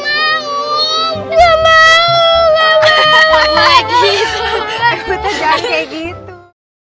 mau nggak mau nggak mau gitu betul kayak gitu